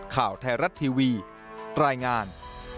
ข่าวไทยรัฐทีวีรายงาน